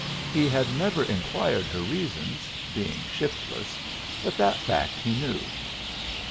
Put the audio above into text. He had never inquired her reasons, being shiftless, but that fact he knew.